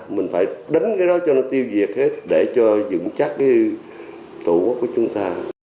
mình phải đánh cái đó cho nó tiêu diệt hết để cho dựng chắc cái tổ quốc của chúng ta